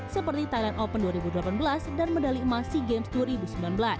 seperti thailand open dua ribu delapan belas dan medali emas sea games dua ribu sembilan belas